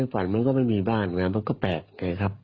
ฝันมันก็ไม่มีบ้านไงมันก็แปลกไงครับ